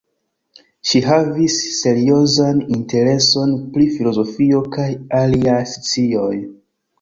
Ŝi havis seriozan intereson pri filozofio kaj aliaj scioj.